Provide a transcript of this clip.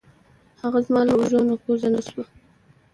هغه زما له اوږو نه کوز نه شو.